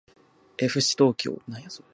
えふしー東京